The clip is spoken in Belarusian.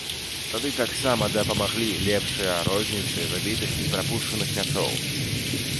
Тады таксама дапамаглі лепшая розніцы забітых і прапушчаных мячоў.